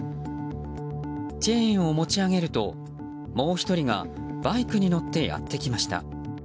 チェーンを持ち上げるともう１人がバイクに乗ってやってきました。